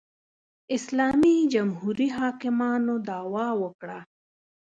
اسلامي جمهوري حاکمانو دعوا وکړه